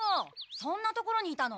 そんなところにいたの？